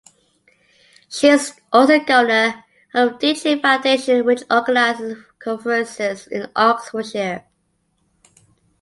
She is also a governor of the Ditchley Foundation, which organises conferences in Oxfordshire.